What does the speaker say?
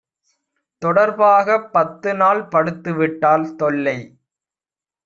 தொடர்பாகப் பத்துநாள் படுத்துவிட்டாள் தொல்லை!